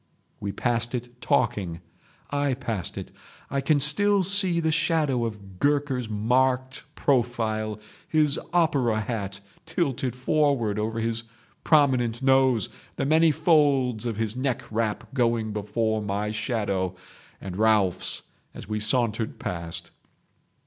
"We passed it talking. I passed it. I can still see the shadow of Gurker's marked profile, his opera hat tilted forward over his prominent nose, the many folds of his neck wrap going before my shadow and Ralphs' as we sauntered past.